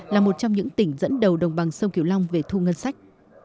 là một trong những tỉnh dẫn đầu đồng bằng sông kiều long về thu ngân sách